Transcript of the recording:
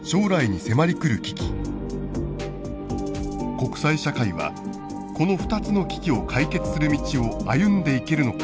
国際社会はこの２つの危機を解決する道を歩んでいけるのか。